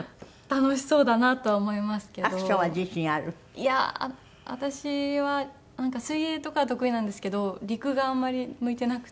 いやー私は水泳とかは得意なんですけど陸があんまり向いていなくて。